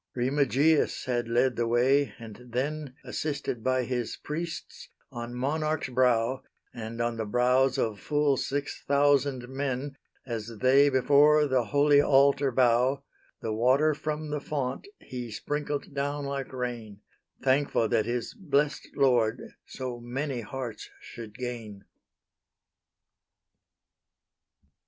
Remigius had led the way, and then, Assisted by his priests, on monarch's brow, And on the brows of full six thousand men, As they before the holy altar bow; The water from the font he sprinkled down like rain, Thankful that his blest Lord so many hearts should gain.